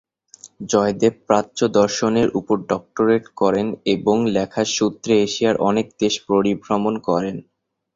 জয়দেব প্রাচ্য দর্শনের উপর ডক্টরেট করেন এবং লেখার সূত্রে এশিয়ার অনেক দেশ পরিভ্রমণ করেন।